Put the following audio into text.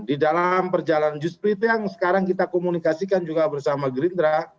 di dalam perjalanan jusprit yang sekarang kita komunikasikan juga bersama gerindra